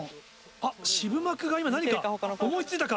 あっ渋幕が今何か思い付いたか？